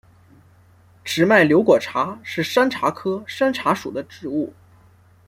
直脉瘤果茶是山茶科山茶属的植物。